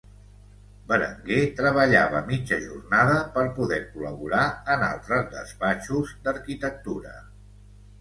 Berenguer treballava mitja jornada per poder col·laborar en altres despatxos d'arquitectura.